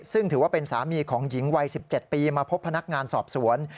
ซึ่งถือว่าเป็นสามีของหญิงวัย๑๗ปีมาพบพนักงานสอบสวน